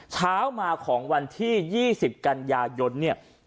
เช้ามาของวันที่๒๐กันยายน